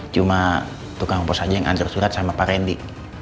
cuma tukang pos aja yang hantar surat sama pak reddy